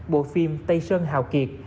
bộ phim tây sơn hào kiệt